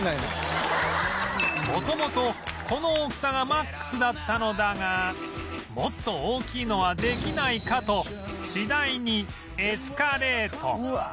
元々この大きさがマックスだったのだがもっと大きいのはできないか？と次第にエスカレート